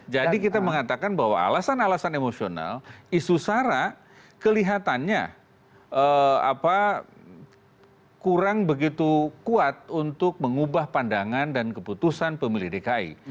jadi kita mengatakan bahwa alasan alasan emosional isu sara kelihatannya kurang begitu kuat untuk mengubah pandangan dan keputusan pemilih dki